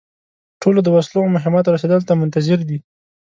ټول د وسلو او مهماتو رسېدلو ته منتظر دي.